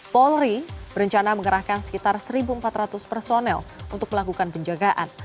polri berencana mengerahkan sekitar satu empat ratus personel untuk melakukan penjagaan